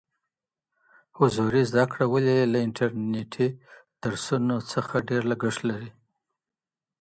حضوري زده کړه ولي له انټرنیټي درسونو څخه ډېر لګښت لري؟